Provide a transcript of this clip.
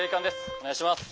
お願いします」。